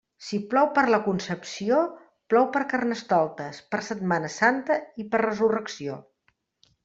Si plou per la Concepció, plou per Carnestoltes, per Setmana Santa i per Resurrecció.